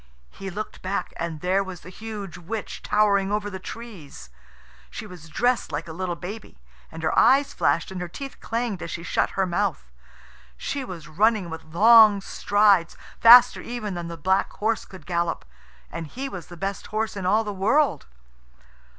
He looked back, and there was the huge witch, towering over the trees. She was dressed like a little baby, and her eyes flashed and her teeth clanged as she shut her mouth. She was running with long strides, faster even than the black horse could gallop and he was the best horse in all the world.